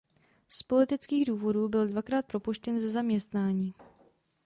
Z politických důvodů byl dvakrát propuštěn ze zaměstnání.